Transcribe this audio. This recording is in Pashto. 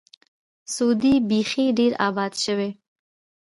سعودي بیخي ډېر آباد شوی.